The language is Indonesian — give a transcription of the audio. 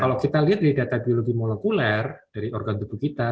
kalau kita lihat dari data biologi molekuler dari organ tubuh kita